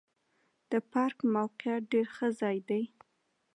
د پارک موقعیت ډېر ښه ځای دی.